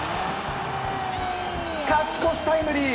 勝ち越しタイムリー。